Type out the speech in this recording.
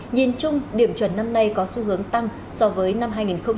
nhìn chung điểm chuẩn năm nay có xu hướng tăng so với năm hai nghìn hai mươi hai